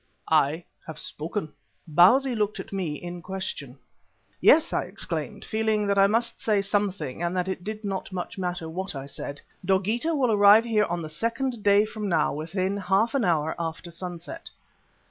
I have spoken." Bausi looked at me in question. "Yes," I exclaimed, feeling that I must say something and that it did not much matter what I said, "Dogeetah will arrive here on the second day from now within half an hour after sunset."